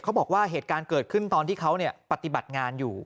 เขาบอกว่าเหตุการณ์เกิดขึ้นตอนที่เขาปฏิบัติงานอยู่